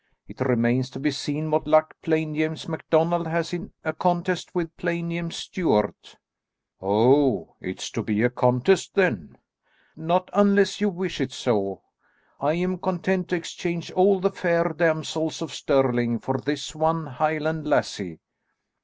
It remains to be seen what luck plain James MacDonald has in a contest with plain James Stuart." "Oh, it's to be a contest then?" "Not unless you wish it so. I am content to exchange all the fair damsels of Stirling for this one Highland lassie."